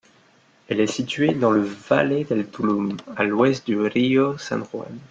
Elle est située dans le Valle del Tulum, à l'ouest du río San Juan.